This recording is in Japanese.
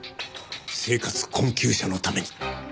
生活困窮者のために。